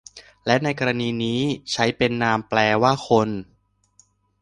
และในกรณีนี้ใช้เป็นนามแปลว่าคน